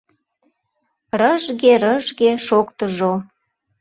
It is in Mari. Рыжге-рыжге шоктыжо.